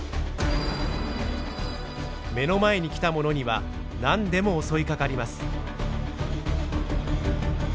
目の前に来たものには何でも襲いかかります。